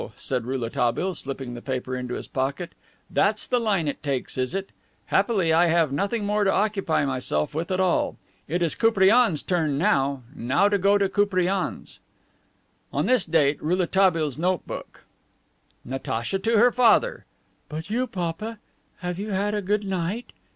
said Rouletabille, slipping the paper into his pocket, "that's the line it takes, is it! Happily I have nothing more to occupy myself with at all. It is Koupriane's turn now! Now to go to Koupriane's!" On this date, Rouletabille's note book: "Natacha to her father: 'But you, papa, have you had a good night?